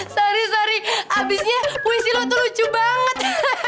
sorry sorry abisnya puisi lo tuh lucu banget